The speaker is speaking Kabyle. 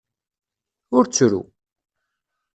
Ur ttru!